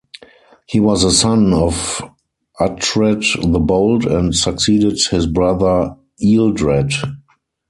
He was a son of Uhtred the Bold and succeeded his brother Ealdred.